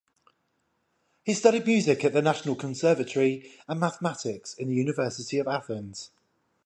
He studied music in the National Conservatory and mathematics in the University of Athens.